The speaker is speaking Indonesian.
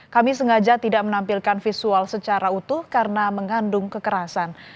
kami sengaja tidak menampilkan visual secara utuh karena mengandung kekerasan